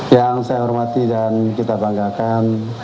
yang saya hormati dan kita banggakan